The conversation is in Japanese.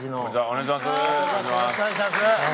お願いします。